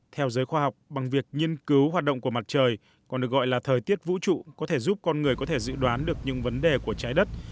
theo giới khoa học bằng việc nghiên cứu hoạt động của mặt trời còn được gọi là thời tiết vũ trụ có thể giúp con người có thể dự đoán được những vấn đề của trái đất